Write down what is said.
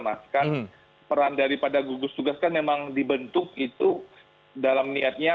nah kan peran daripada gugus tugas kan memang dibentuk itu dalam niatnya